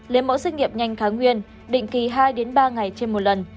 lấy mẫu xét nghiệm nhanh thái nguyên định kỳ hai ba ngày trên một lần